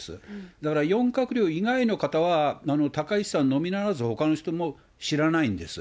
だから４閣僚以外の方は、高市さんのみならず、ほかの人も知らないんです。